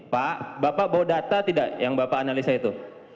pak bapak bawa data tidak yang bapak analisa itu